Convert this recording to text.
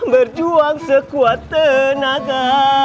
berjuang sekuat tenaga